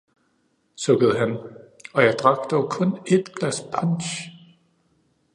sukkede han, og jeg drak dog kun ét glas punch!